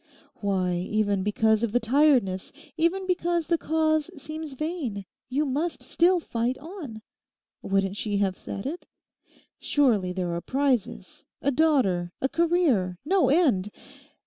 Why, even because of the tiredness, even because the cause seems vain, you must still fight on—wouldn't she have said it? Surely there are prizes, a daughter, a career, no end!